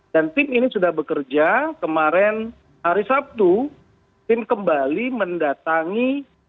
dan tim ini sudah bekerja kemarin hari sabtu tim kembali mendatangi